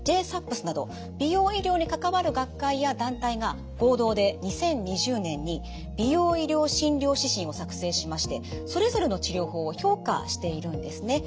ＪＳＡＰＳなど美容医療に関わる学会や団体が合同で２０２０年に美容医療診療指針を作成しましてそれぞれの治療法を評価しているんですね。